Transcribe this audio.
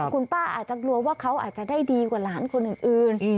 คุณป้าอาจจะกลัวว่าเขาอาจจะได้ดีกว่าหลานคนอื่น